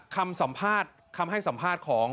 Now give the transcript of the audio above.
คำสัมภาษณ์คำให้สัมภาษณ์ของ